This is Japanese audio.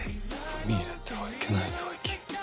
踏み入れてはいけない領域。